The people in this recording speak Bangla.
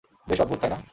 বেশ অদ্ভূত, তাই না?